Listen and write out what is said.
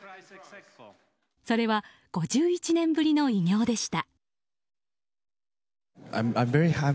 それは、５１年ぶりの偉業でした。